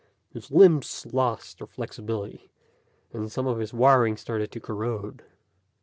His limbs lost their flexibility, and some of his wiring started to corrode.